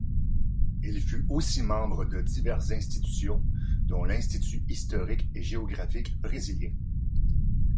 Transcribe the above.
Il fut aussi membre de diverses institutions, dont l'institut historique et géographique brésilien.